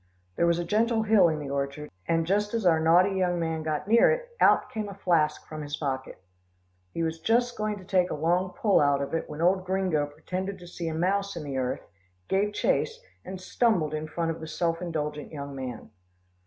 There was a gentle hill in the orchard, and just as our naughty young man got near it, out came a flask from his pocket. He was just going to take a long pull out of it, when old Gringo pretended to see a mouse in the earth, gave chase, and stumbled in front of the self indulgent young man.